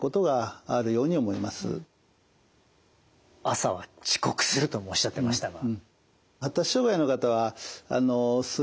「朝は遅刻する」ともおっしゃってましたが。